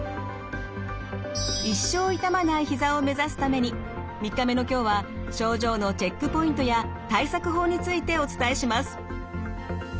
一生痛まないひざを目指すために３日目の今日は症状のチェックポイントや対策法についてお伝えします。